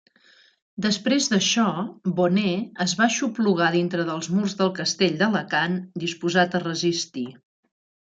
Després d'això, Boné es va aixoplugar dintre dels murs del castell d'Alacant disposat a resistir.